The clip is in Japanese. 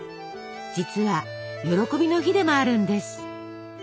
実は喜びの日でもあるんです。